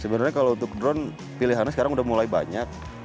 sebenarnya kalau untuk drone pilihannya sekarang udah mulai banyak